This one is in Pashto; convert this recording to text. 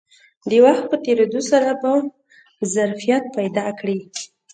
د وخت په تېرېدو سره به ظرفیت پیدا کړي